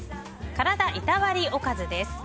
体いたわりおかずです。